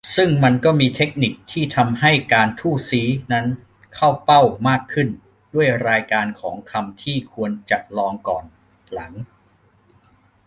ซึ่งมันก็มีเทคนิคที่ทำให้การ "ทู่ซี้" นั้น เข้าเป้ามากขึ้น ด้วยรายการของคำที่ควรจะลองก่อนหลัง